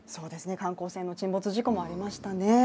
観光船の沈没事故もありましたね。